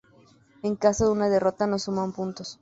En caso de una derrota, no suman puntos.